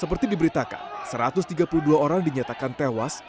seperti diberitakan satu ratus tiga puluh dua orang dinyatakan tewas